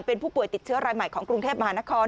เป็นผู้ป่วยติดเชื้อรายใหม่ของกรุงเทพมหานคร